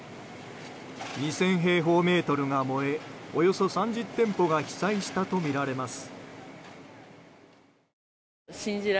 ２０００平方メートルが燃えおよそ３０店舗が被災したとみられます。